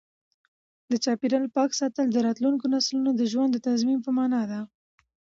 د چاپیریال پاک ساتل د راتلونکو نسلونو د ژوند د تضمین په مانا دی.